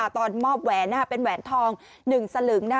ตอนมอบแหวนเป็นแหวนทอง๑สลึง